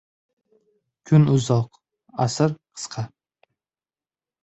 • Kun ― uzoq, asr ― qisqa.